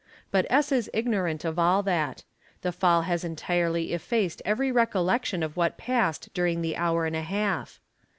But 8S. is ignorant of all — that; the fall has entirely effaced every recollection of what passed — during the hour and a half.